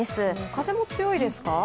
風も強いですか？